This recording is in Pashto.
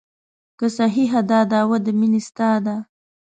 که صحیحه دا دعوه د مینې ستا ده.